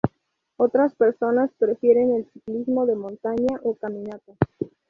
Otras personas prefieren el ciclismo de montaña o caminata.